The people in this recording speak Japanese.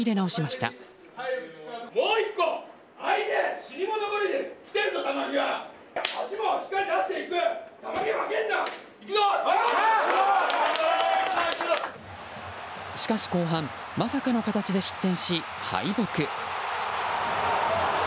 しかし後半まさかの形で失点し、敗北。